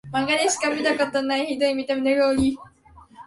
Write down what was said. マンガでしか見たことないヒドい見た目の料理